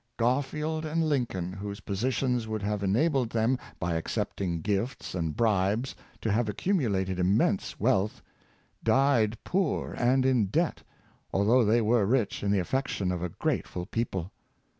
Garfield and Lincoln, whose positions would have ena bled them, by accepting gifts and bribes to have accu mulated immense wealth, died poor and in debt, al though they were rich in the affection of a grateful people.